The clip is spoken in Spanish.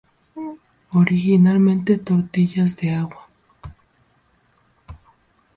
Originalmente tortillas de agua.